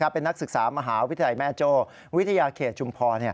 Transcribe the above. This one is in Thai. เป็นนักศึกษามหาวิทยาลัยแม่โจ้วิทยาเขตชุมพร